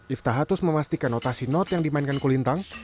iftahatus memastikan notasi note yang dimainkan kulintang